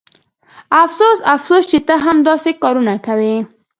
افسوس افسوس چې ته هم داسې کارونه کوې